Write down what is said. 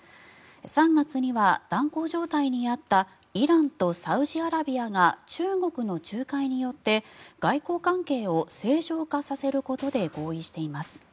３月には断交状態にあったイランとサウジアラビアが中国の仲介によって外交関係を正常化させることで合意しています。